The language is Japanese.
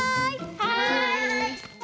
はい！